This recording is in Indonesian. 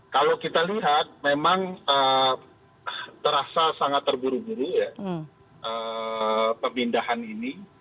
kalau kita lihat memang terasa sangat terburu buru ya pemindahan ini